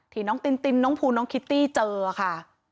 ที่น้องตินตินน้องภูน้องคิตตี้เจอค่ะ